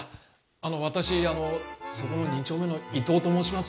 あの私あのそこの２丁目の伊藤と申します。